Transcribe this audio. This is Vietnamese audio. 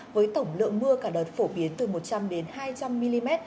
với tổng lượng mưa cả đợt phổ biến từ một trăm linh đến hai trăm linh mm